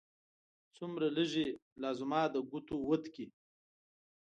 څومره لږې! لا زما د ګوتو وت کې